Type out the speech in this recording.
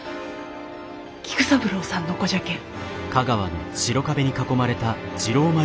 菊三郎さんの子じゃけん。